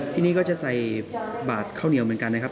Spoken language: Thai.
ที่นี่ก็จะใส่บาทข้าวเหนียวเหมือนกันนะครับ